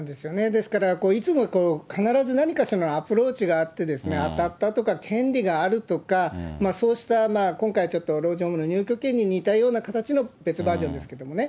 ですから、いつも、必ず何かそのアプローチがあって、当たったとか、権利があるとか、そうした、今回ちょっと老人ホームの入居権に似たような形の別バージョンですけどね。